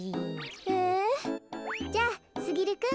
えじゃあすぎるくん。